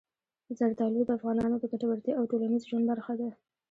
زردالو د افغانانو د ګټورتیا او ټولنیز ژوند برخه ده.